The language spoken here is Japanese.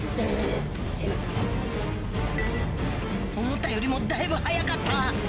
思ったよりもだいぶ早かった